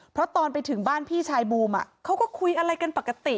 เพราะตอนไปถึงบ้านพี่ชายบูมเขาก็คุยอะไรกันปกติ